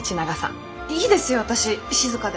いいですよ私静で。